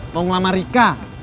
mau ngelamar rika